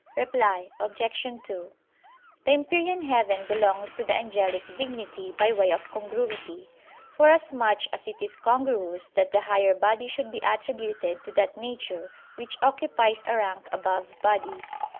Reply Obj. 2: The empyrean heaven belongs to the angelic dignity by way of congruity; forasmuch as it is congruous that the higher body should be attributed to that nature which occupies a rank above bodies.